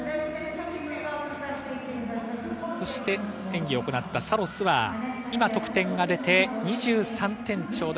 そして演技を行ったサロスは得点が出て２３点ちょうど。